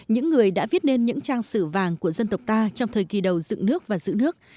những người đã viết nên những trang sử vàng của dân tộc ta trong thời kỳ đầu dựng nước và giữ nước